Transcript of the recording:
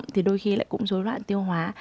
thì đôi khi lại cũng dối loạn tiêu hóa